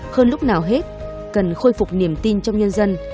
hơn lúc nào hết cần khôi phục niềm tin trong nhân dân